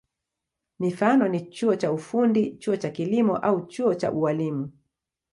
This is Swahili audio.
Mifano ni chuo cha ufundi, chuo cha kilimo au chuo cha ualimu.